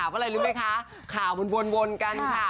เมื่อไรรู้ไหมคะข่าววนวนกันค่ะ